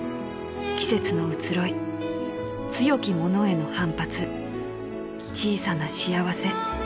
季節の移ろい強き者への反発小さな幸せ］